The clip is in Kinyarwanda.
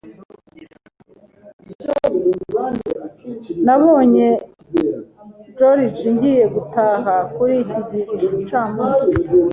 Nabonye George ngiye gutaha kuri iki gicamunsi.